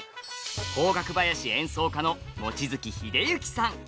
邦楽囃子演奏家の望月秀幸さん！